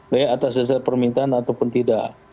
baik atas dasar permintaan ataupun tidak